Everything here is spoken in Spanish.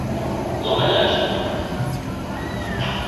Ha participado en numerosas exposiciones a nivel nacional e internacional.